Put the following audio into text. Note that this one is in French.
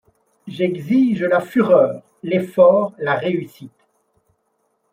J'exige la fureur, l'effort, la réussite !